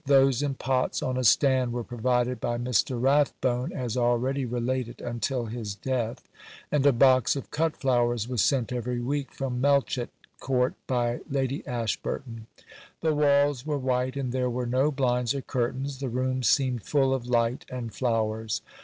Those in pots on a stand were provided by Mr. Rathbone (as already related) until his death; and a box of cut flowers was sent every week from Melchet Court by Lady Ashburton. The walls were white and there were no blinds or curtains; the room seemed full of light and flowers.